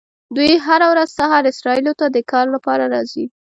دوی هره ورځ سهار اسرائیلو ته د کار لپاره راځي.